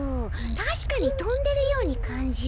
たしかにとんでるようにかんじる。